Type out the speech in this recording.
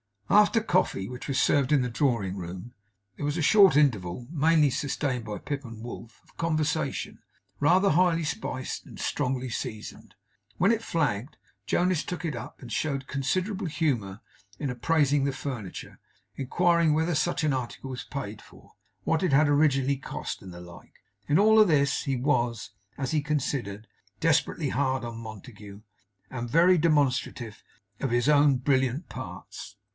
After coffee, which was served in the drawing room, there was a short interval (mainly sustained by Pip and Wolf) of conversation; rather highly spiced and strongly seasoned. When it flagged, Jonas took it up and showed considerable humour in appraising the furniture; inquiring whether such an article was paid for; what it had originally cost, and the like. In all of this, he was, as he considered, desperately hard on Montague, and very demonstrative of his own brilliant parts.